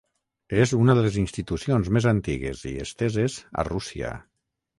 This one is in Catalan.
És una de les institucions més antigues i esteses a Rússia.